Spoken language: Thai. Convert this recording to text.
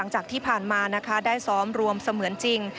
จากที่ผ่านมานะคะได้ซ้อมรวมเสมือนจริง